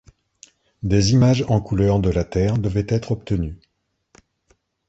Des images en couleur de la Terre devaient être obtenues.